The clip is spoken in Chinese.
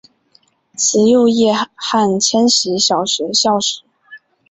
慈幼叶汉千禧小学校史